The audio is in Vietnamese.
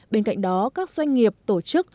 bên cạnh đó các doanh nghiệp tổ chức